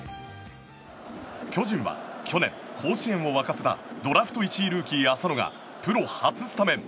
巨人は去年、甲子園を沸かせたドラフト１位ルーキー、浅野がプロ初スタメン。